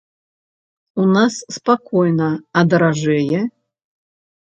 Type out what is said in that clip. У нас спакойна, а даражэе?